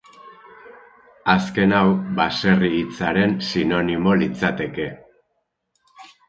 Azken hau baserri hitzaren sinonimo litzateke.